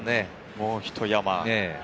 もうひと山。